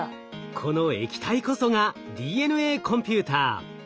この液体こそがＤＮＡコンピューター。